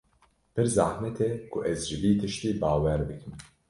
Pir zehmet e ku ez ji vî tiştî bawer bikim.